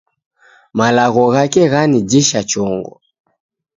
Malagho ghake ghanijisa chongo